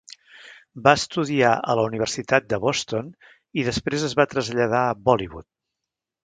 Va estudiar a la Universitat de Boston, i després es va traslladar a Bollywood.